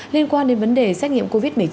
liên quan đến vấn đề trách nhiệm covid một mươi chín